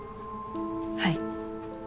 はい。